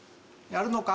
やるのか？